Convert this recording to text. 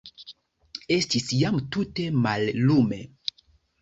Estis jam tute mallume.